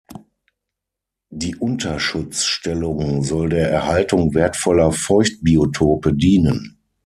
Die Unterschutzstellung soll der Erhaltung wertvoller Feuchtbiotope dienen.